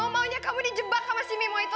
mau maunya kamu di jebak sama si mimo itu